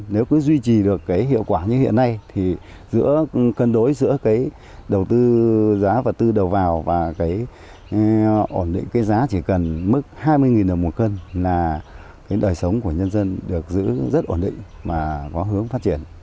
nếu cứ duy trì được cái hiệu quả như hiện nay thì giữa cân đối giữa cái đầu tư giá và tư đầu vào và cái ổn định cái giá chỉ cần mức hai mươi đồng một cân là cái đời sống của nhân dân được giữ rất ổn định